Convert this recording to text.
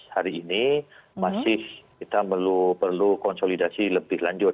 hari ini masih kita perlu konsolidasi lebih lanjut